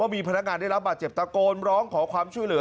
มีพนักงานได้รับบาดเจ็บตะโกนร้องขอความช่วยเหลือ